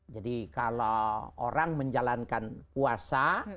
jadi kalau orang menjalankan puasa